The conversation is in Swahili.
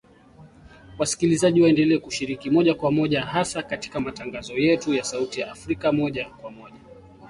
Wasikilizaji waendelea kushiriki moja kwa moja hasa katika matangazo yetu ya Sauti ya Afrika Moja kwa Moja.